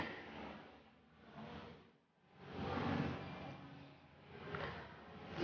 aku udah keras kepala